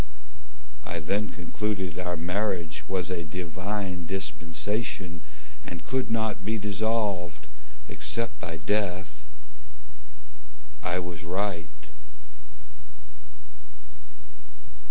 I then concluded our marriage Was a divine dispensation And could not be dissolved, Except by death. I was right.